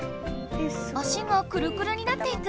足がくるくるになっていく！